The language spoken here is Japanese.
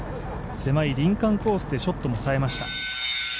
狭い林間コースでショットを抑えました。